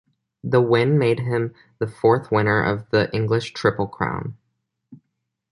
The win made him the fourth winner of the English Triple Crown.